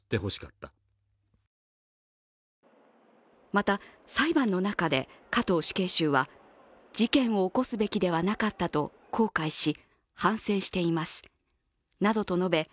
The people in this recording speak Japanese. また、裁判の中で加藤死刑囚は、事件を起こすべきではなかったと後悔し、反省していますなどと述べ